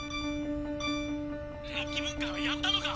「電気分解はやったのか！」。